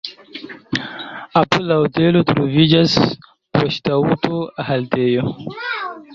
Apud la hotelo troviĝas poŝtaŭto-haltejo.